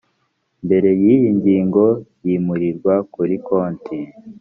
mbere y iyi ngingo yimurirwa kuri konti